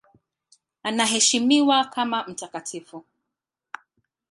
Anaheshimiwa kama mtakatifu.